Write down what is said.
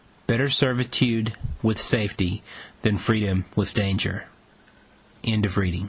Better servitude with safety than freedom with danger. THE QUACK DO